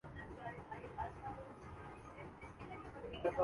Japan نے دنیا کا